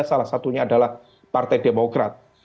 salah satunya adalah partai demokrat